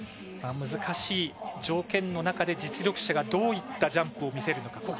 難しい条件の中で実力者がどういったジャンプを見せるのか。